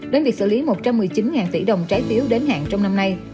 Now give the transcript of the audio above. đến việc xử lý một trăm một mươi chín tỷ đồng trái phiếu đến hạn trong năm nay